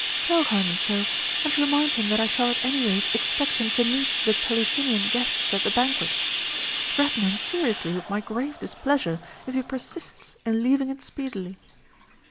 "Tell Hermon so, and remind him that I shall at any rate expect him to meet the Pelusinian guests at the banquet. Threaten him seriously with my grave displeasure if he persists in leaving it speedily."